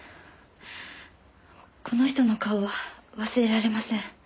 この人の顔は忘れられません。